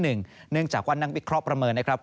เนื่องจากว่านักวิเคราะห์ประเมินนะครับ